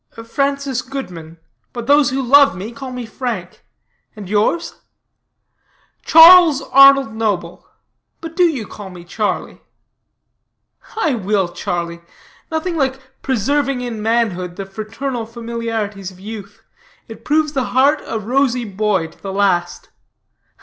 "Francis Goodman. But those who love me, call me Frank. And yours?" "Charles Arnold Noble. But do you call me Charlie." "I will, Charlie; nothing like preserving in manhood the fraternal familiarities of youth. It proves the heart a rosy boy to the last."